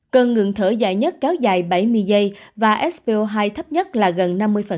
cơn ngừng thở dài nhất kéo dài bảy mươi giây và spo hai thấp nhất là gần năm mươi